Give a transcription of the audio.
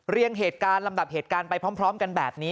เรียงเหตุการณ์ลำดับเหตุการณ์ไปพร้อมกันแบบนี้